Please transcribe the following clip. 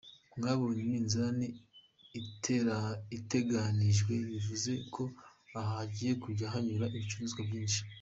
Mwabonye iminzani irateganijwe bivuze ko aha hagiye kujya hanyura ibicuruzwa byinshi.